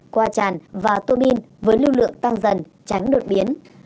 qua tràn và tô bin với lưu lượng tăng dần tránh đột biến